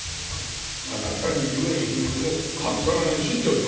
あなたに言えん秘密もたくさん知っちょっど。